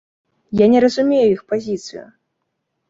Я не разумею іх пазіцыю.